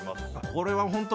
これは本当